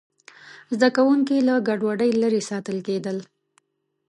زده کوونکي له ګډوډۍ لرې ساتل کېدل.